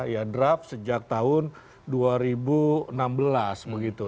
ya draft sejak tahun dua ribu enam belas begitu